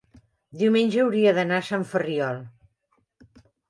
diumenge hauria d'anar a Sant Ferriol.